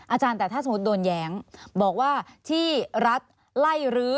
อาจารย์แต่ถ้าสมมุติโดนแย้งบอกว่าที่รัฐไล่รื้อ